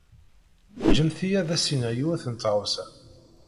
Jjemt-iyi ad as-iniɣ yiwet n tɣawsa.